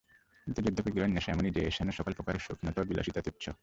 কিন্তু যুদ্ধ-বিগ্রহের নেশা এমনই যে, এর সামনে সকল প্রকার সৌখিনতা ও বিলাসিতা তুচ্ছ।